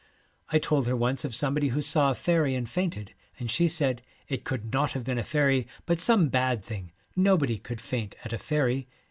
I told her once of somebody who saw a faery and fainted, and she said, ' It could not have been a faery, but some bad thing, nobody could faint at a faery.